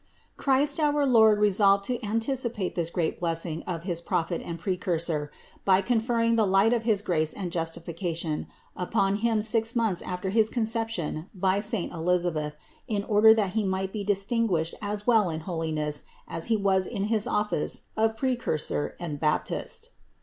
Christ our Lord resolved to anticipate this great blessing in his Prophet and Pre cursor by conferring the light of his grace and justifi cation upon him six months after his conception by saint Elisabeth, in order that he might be distinguished 174 THE INCARNATION 175 as well in holiness, as he was in his office of Precursor and Baptist.